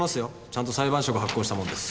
ちゃんと裁判所が発行したものです。